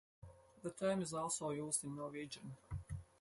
The term is also used in Norwegian.